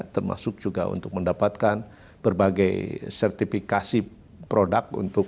termasuk juga untuk mendapatkan berbagai sertifikasi produk